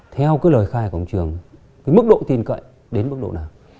theo cái lời khai của ông trường cái mức độ tin cậy đến mức độ nào